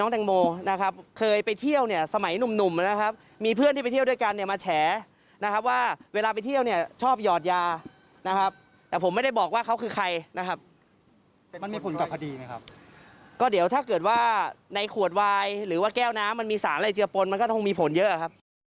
ถ้ามันมีสารอะไรเจือปนก็ต้องมีผลเยอะหรือครับ